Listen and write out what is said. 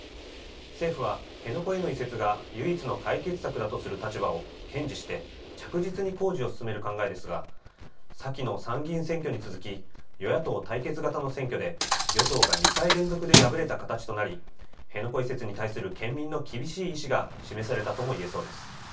政府は辺野古への移設が唯一の解決策だとする立場を堅持して、着実に工事を進める考えですが、先の参議院選挙に続き、与野党対決型の選挙で与党が２回連続で敗れた形となり、辺野古移設に対する県民の厳しい意思が示されたともいえそうです。